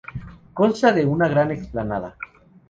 Consta de una gran explanada.